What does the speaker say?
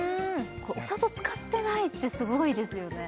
お砂糖使ってないってすごいですよね